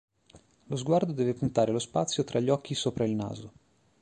Lo sguardo deve puntare lo spazio tra gli occhi sopra il naso.